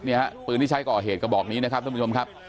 ฮะปืนที่ใช้ก่อเหตุกระบอกนี้นะครับท่านผู้ชมครับ